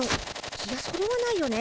いやそれはないよね。